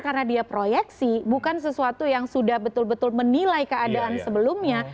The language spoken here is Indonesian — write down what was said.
karena dia proyeksi bukan sesuatu yang sudah betul betul menilai keadaan sebelumnya